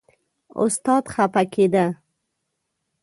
استاد خپه کېده.